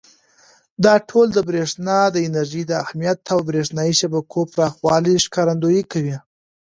دا ټول د برېښنا د انرژۍ د اهمیت او برېښنایي شبکو پراخوالي ښکارندويي کوي.